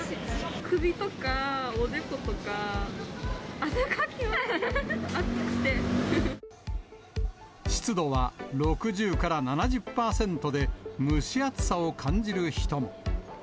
首とか、おでことか、汗かきます、湿度は６０から７０％で、蒸し暑さを感じる人も。